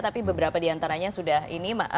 tapi beberapa diantaranya sudah ini